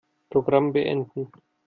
Programm beenden.